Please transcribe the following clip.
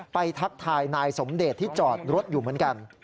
ทักทายนายสมเดชที่จอดรถอยู่เหมือนกัน